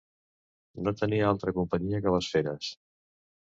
No tenia altra companyia que les feres.